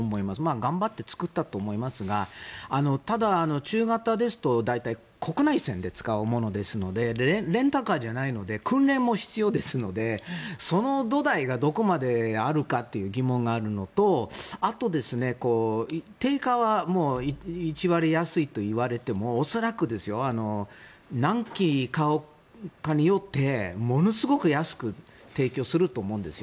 頑張って作ったと思いますがただ、中型ですと大体国内線で使うものですのでレンタカーじゃないので訓練も必要ですのでその土台がどこまであるかという疑問があるのとあと、定価は１割安いといわれても恐らく、何機買うかによってものすごく安く提供すると思うんですよ。